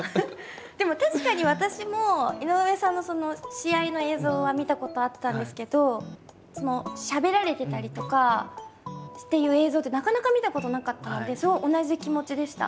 でも確かに私も井上さんの試合の映像は見たことあったんですけどしゃべられてたりとかという映像ってなかなか見たことなかったので同じ気持ちでした。